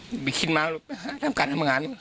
ไม่คิดมากเลยทำการทำงาน